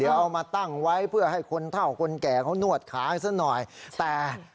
เอาตั้งไปปีกกว่าอ๋อ